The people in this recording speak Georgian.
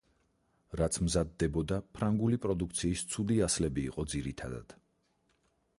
რაც მზადდებოდა ფრანგული პროდუქციის ცუდი ასლები იყო ძირითადად.